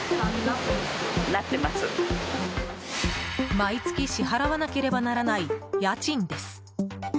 毎月支払わなければならない家賃です。